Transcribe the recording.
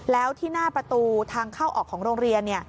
แล้วที่หน้าประตูทางเข้าออกของโรงเรียน